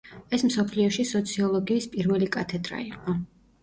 ეს მსოფლიოში სოციოლოგიის პირველი კათედრა იყო.